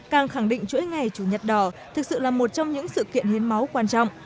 càng khẳng định chuỗi ngày chủ nhật đỏ thực sự là một trong những sự kiện hiến máu quan trọng